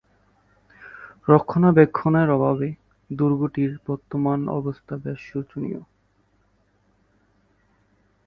রক্ষণাবেক্ষণের অভাবে দুর্গটির বর্তমান অবস্থা বেশ শোচনীয়।